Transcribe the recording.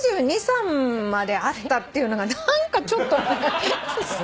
７２７３まであったっていうのが何かちょっと。